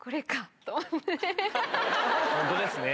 本当ですね。